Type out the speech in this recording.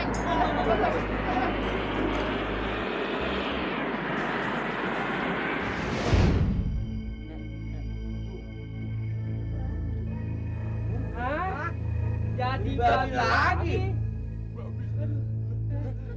kalau saya ngejepit listrik